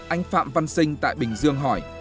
anh phạm văn sinh tại bình dương hỏi